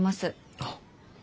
あっ。